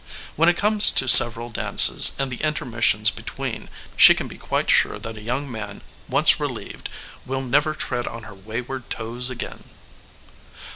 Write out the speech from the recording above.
When it comes to several dances and the intermissions between she can be quite sure that a young man, once relieved, will never tread on her wayward toes again.